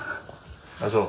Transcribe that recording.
あっそう。